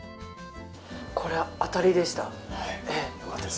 これ、当たりでした。